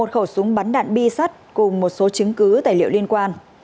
một khẩu súng bắn đạn bi sắt cùng một số chứng cứ tài liệu liên quan